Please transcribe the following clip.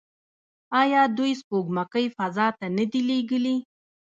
آیا دوی سپوږمکۍ فضا ته نه دي لیږلي؟